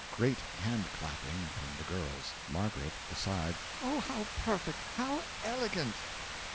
(Great hand clapping from the girls.) M. (Aside.) Oh, how perfect! how elegant!